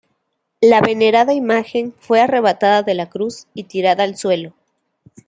La venerada imagen fue arrebatada de la cruz y tirada al suelo.